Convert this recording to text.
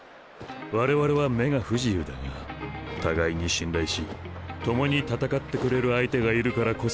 我々は目が不自由だが互いに信頼し共に戦ってくれる相手がいるからこそ